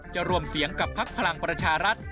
รวมเสียงกับพักพลังประชารัฐ